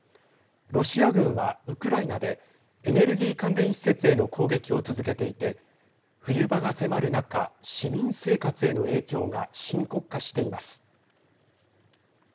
ロシア軍はウクライナでエネルギー関連施設への攻撃を続けていて冬場が迫る中市民生活への影響が深刻化しています。